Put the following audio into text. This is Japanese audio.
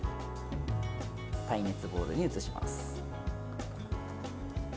耐熱ボウルに移します。